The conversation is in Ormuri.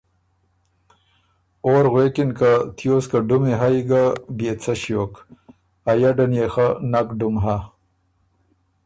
اور غوېکِن که ”تیوس که ډُمی هئ ګۀ بيې څه ݭیوک، ا یډن يې خه نک ډُم هۀ“